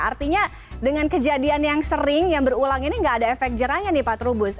artinya dengan kejadian yang sering yang berulang ini nggak ada efek jerahnya nih pak trubus